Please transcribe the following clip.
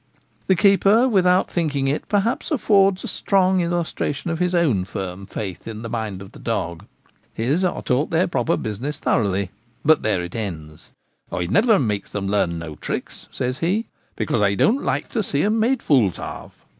The keeper, without thinking it perhaps, affords a strong illustration of his own firm faith in the mind 94 The Gamekeeper at Home. of the dog. His are taught their proper business thoroughly ; but there it ends. ' I never makes them learn no tricks,' says he, ' because I don't like to see 'em made fools of.'